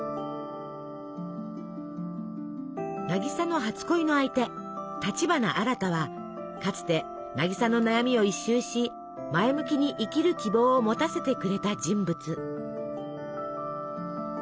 渚の初恋の相手立花アラタはかつて渚の悩みを一蹴し前向きに生きる希望を持たせてくれた人物。